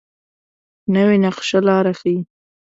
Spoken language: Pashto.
نوې نقشه لاره ښيي